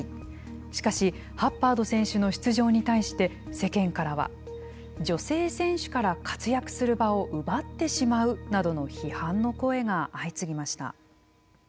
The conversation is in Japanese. しかし、ハッバード選手の出場に対して、世間からは女性選手から活躍する場を奪ってしまうなどの批判の声が相次ぎました。